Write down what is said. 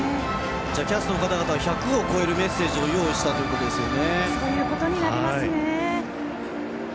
キャストの方々は１００を超えるメッセージを用意したということですよね。